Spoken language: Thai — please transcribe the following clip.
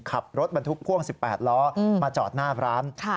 ขับรถบรรทุกพ่วง๑๘ล้อมาจอดหน้าร้าน